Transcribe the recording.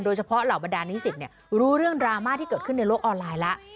เหล่าบรรดานิสิตรู้เรื่องดราม่าที่เกิดขึ้นในโลกออนไลน์แล้ว